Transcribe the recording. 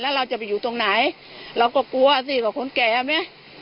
แล้วเราจะไปอยู่ตรงไหนเราก็กลัวสิว่าคนแก่ไหม